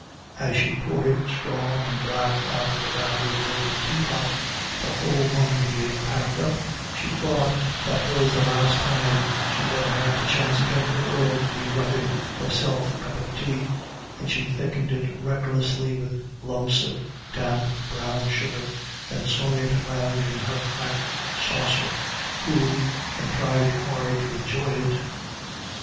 As she poured it strong and black out of the badly broken teapot, the whole one being packed up, she thought that was the last time she'd ever have the chance again in this world to be wetting herself a cup of tea, and she thickened it recklessly with lumps of damp brown sugar, and swung it round in her cracked saucer to cool, and tried hard to enjoy it.